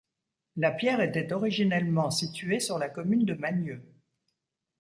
La pierre était originellement située sur la commune de Magnieu.